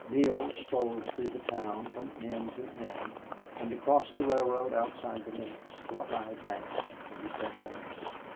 Neale strolled through the town from end to end, and across the railroad outside the limits, to a high bank, where he sat down.